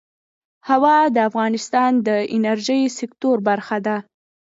هوا د افغانستان د انرژۍ سکتور برخه ده.